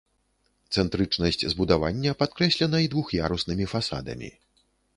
Цэнтрычнасць збудавання падкрэслена і двух'яруснымі фасадамі.